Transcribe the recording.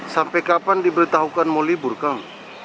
sampai kapan diberitahukan mau libur kang